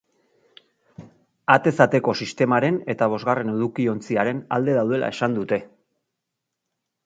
Atez ateko sistemaren eta bosgarren edukiontziaren alde daudela esan dute.